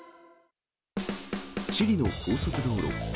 チリの高速道路。